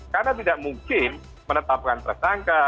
karena tidak mungkin menetapkan tersangka